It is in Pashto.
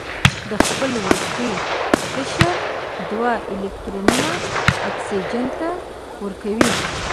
د خپل وروستي قشر دوه الکترونونه اکسیجن ته ورکوي.